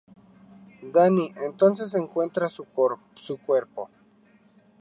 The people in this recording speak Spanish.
Danny entonces encuentra su cuerpo.